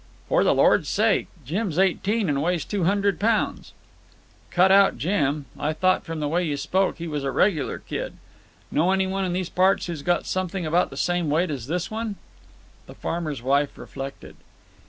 "For the Lord's sake! Jim's eighteen and weighs two hundred pounds." "Cut out Jim. I thought from the way you spoke he was a regular kid. Know any one in these parts who's got something about the same weight as this one?" The farmer's wife reflected.